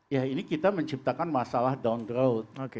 ya ini kita menciptakan masalah down drowth